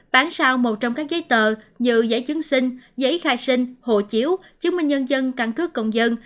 bán sao một trong các giấy tờ như giấy chứng sinh giấy khai sinh hồ chiếu chứng minh nhân dân căn cước công dân